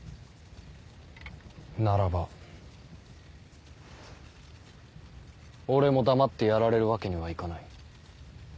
ならば俺も黙ってやられるわけにはいかない。